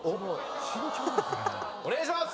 お願いします！